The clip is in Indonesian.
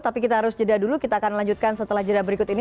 tapi kita harus jeda dulu kita akan lanjutkan setelah jeda berikut ini